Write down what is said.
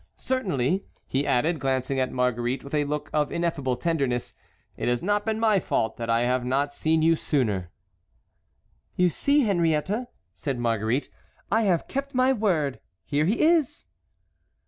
"Certainly," he added, glancing at Marguerite with a look of ineffable tenderness, "it has not been my fault that I have not seen you sooner." "You see, Henriette," said Marguerite, "I have kept my word; here he is!"